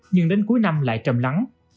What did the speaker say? nhưng đến cuối năm lại trầm lắng